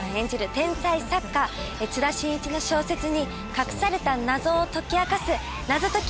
天才作家津田伸一の小説に隠された謎を解き明かす謎解き